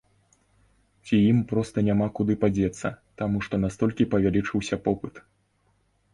Ці ім проста няма куды падзецца, таму што настолькі павялічыўся попыт?